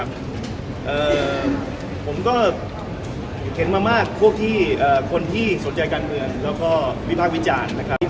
ผมก็เห็นมากคนที่สนใจการเงินแล้วก็วิภาควิจารณ์